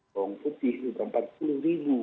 bawang putih sudah empat puluh ribu